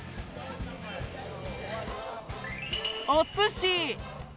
おすし！